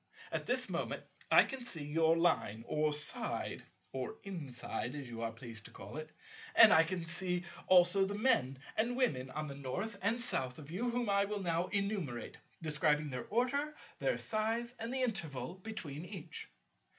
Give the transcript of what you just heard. And at this moment I can see your Line, or side—or inside as you are pleased to call it; and I can see also the Men and Women on the North and South of you, whom I will now enumerate, describing their order, their size, and the interval between each."